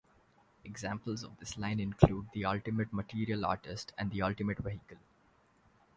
Examples of this line included "The Ultimate Martial Artist" and "The Ultimate Vehicle".